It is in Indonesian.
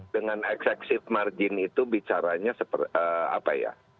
dengan excessive margin itu bicaranya